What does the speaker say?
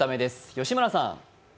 吉村さん。